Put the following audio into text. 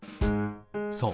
そう。